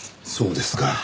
そうですか。